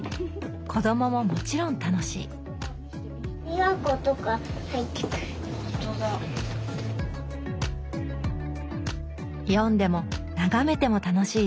子どもももちろん楽しい読んでも眺めても楽しい絵本。